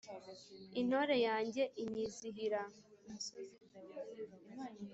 intore yanjye inyizihira.